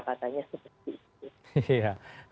katanya seperti itu